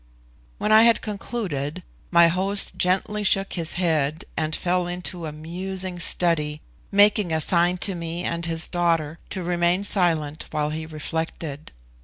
When I had concluded, my host gently shook his head, and fell into a musing study, making a sign to me and his daughter to remain silent while he reflected.